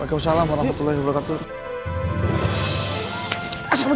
assalamualaikum warahmatullahi wabarakatuh